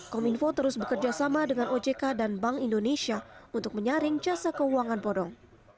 kominfo terus bekerja sama dengan ojk dan bank indonesia untuk menyaring jasa keuangan bodong